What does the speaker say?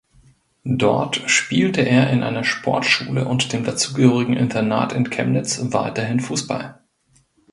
Dort spielte er in einer Sportschule und dem dazugehörigen Internat in Chemnitz weiterhin Fußball.